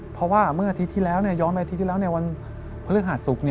เพราะว่าเมื่ออาทิตย์ที่แล้วย้อนไปอาทิตย์ที่แล้ววันพฤหัสศุกร์